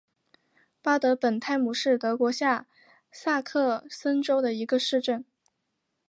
巴德本泰姆是德国下萨克森州的一个市镇。